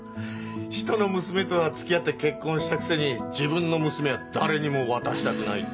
ひとの娘とは付き合って結婚したくせに自分の娘は誰にも渡したくないって。